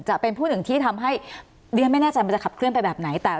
จะเป็นผู้หนึ่งที่ทำให้ดิฉันไม่แน่ใจมันจะขับเคลื่อนไปแบบไหนแต่